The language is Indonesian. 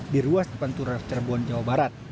di ruas pantura cirebon jawa barat